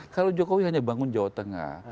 kalau jokowi hanya bangun jawa tengah